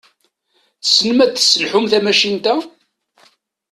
Tessnem ad tesselḥum tamacint-a?